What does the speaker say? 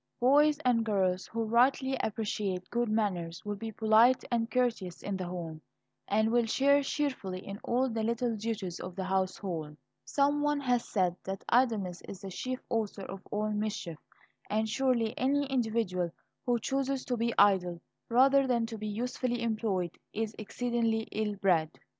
Boys and girls who rightly appreciate good manners will be polite and courteous in the home, and will share cheerfully in all the little duties of the household. Some one has said that idleness is "the chief author of all mischief." And surely any individual who chooses to be idle rather than to be usefully employed, is exceedingly ill bred.